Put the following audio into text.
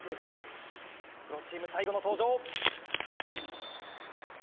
プロチーム最後の登場。